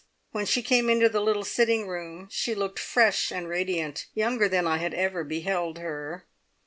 When she came into the little sitting room she looked fresh and radiant younger than I had ever beheld her.